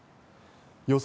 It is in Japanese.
予想